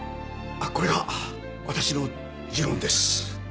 これが私の持論です。